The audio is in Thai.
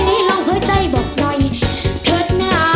ในในห้องหัวใจบอกหน่อยเผิดหน้า